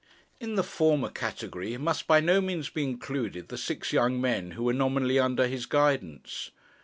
In the former category must by no means be included the six young men who were nominally under his guidance.